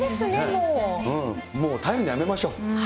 うん、もう耐えるのやめましょう。